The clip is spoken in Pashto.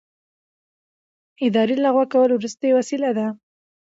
اداري لغوه کول وروستۍ وسیله ده.